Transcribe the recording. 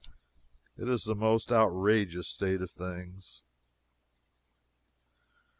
It is a most outrageous state of things.